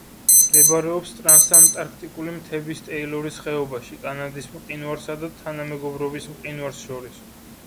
მდებარეობს ტრანსანტარქტიკული მთების ტეილორის ხეობაში კანადის მყინვარსა და თანამეგობრობის მყინვარს შორის.